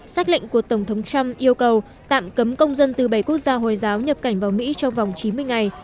xác lệnh của tổng thống trump yêu cầu tạm cấm công dân từ bảy quốc gia hồi giáo nhập cảnh vào mỹ trong vòng chín mươi ngày